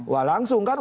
wah langsung kan